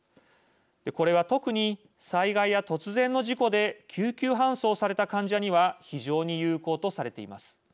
これは特に災害や突然の事故で救急搬送された患者には非常に有効とされています。